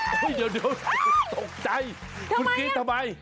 เดี๋ยวตกใจคุณกรี๊ดทำไม